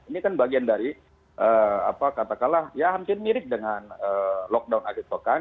ini kan bagian dari katakanlah ya hampir mirip dengan lockdown akhir pekan